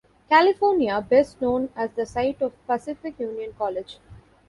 California, best known as the site of Pacific Union College.